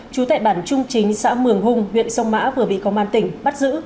chú tại bản trung chính xã mường hùng huyện sông mã vừa bị công an tỉnh bắt giữ